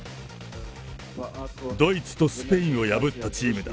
ドイツとスペインを破ったチームだ。